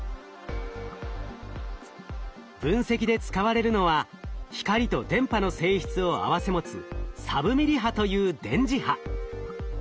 分析で使われるのは光と電波の性質を併せ持つサブミリ波という電磁波。